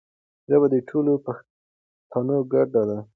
ژبه د ټولو پښتانو ګډه ده.